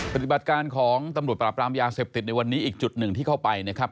ปฏิบัติการของตำรวจปราบรามยาเสพติดในวันนี้อีกจุดหนึ่งที่เข้าไปนะครับ